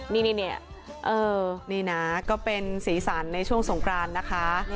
นี้เออนี่นะก็เป็นศีรษรในช่วงสงครารนะคะ